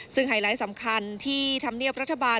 ซึ่งไฮไลท์สำคัญที่ธรรมเนียบรัฐบาล